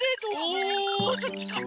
おおそっちか！